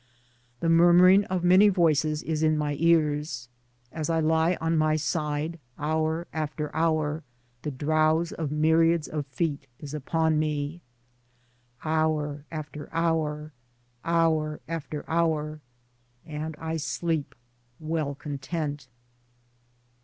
The murmuring of many voices is in my ears. As I lie on my side hour after hour the drowse of myriads of feet is upon me : 34 Towards Democracy Hour after hour, hour after hour, — and I sleep, well content.